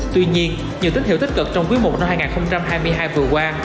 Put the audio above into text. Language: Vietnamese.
tuy nhiên nhiều tích hiệu tích cực trong quý mục năm hai nghìn hai mươi hai vừa qua